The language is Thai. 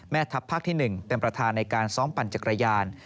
ทัพภาคที่๑เป็นประธานในการซ้อมปั่นจักรยาน